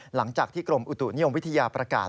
หลังจากที่กรมอุตุนิยมวิทยาประกาศ